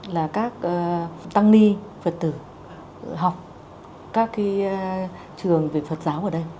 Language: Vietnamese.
là các tăng ni phật tử học các trường về phật giáo ở đây